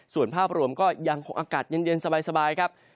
ส่วนภาพรวมก็ยังคงอากาศเย็นสบายครับ